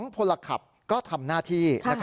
พลขับก็ทำหน้าที่